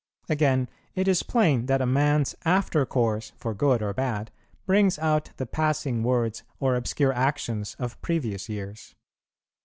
Again, it is plain that a man's after course for good or bad brings out the passing words or obscure actions of previous years.